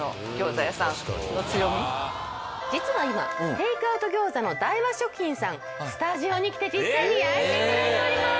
実は今テイクアウト餃子の大和食品さんスタジオに来て実際に焼いていただいております。